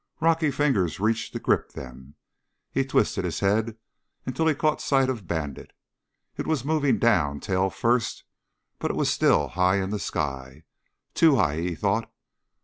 Rocky fingers reached to grip them. He twisted his head until he caught sight of Bandit. It was moving down, tail first, but it was still high in the sky. Too high, he thought.